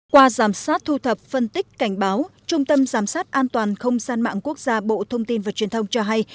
qua giám sát thu thập phân tích cảnh báo trung tâm giám sát an toàn không gian mạng quốc gia bộ thông tin và truyền thông cho hay